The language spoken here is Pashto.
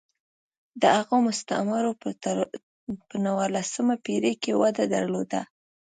د هغو مستعمرو په نولسمه پېړۍ کې وده درلوده.